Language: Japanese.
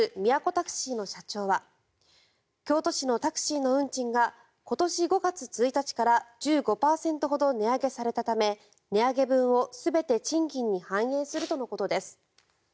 タクシーの社長は京都市のタクシーの運賃が今年５月１日から１５％ほど値上げされたため値上げ分を全て賃金に反映するとのことです。